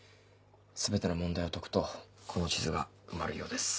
全ての問題を解くとこの地図が埋まるようです。